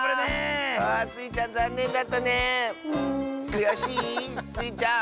くやしい？スイちゃん。